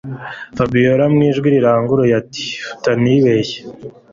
Fabiora mwijwi riranguruye atiutanibesha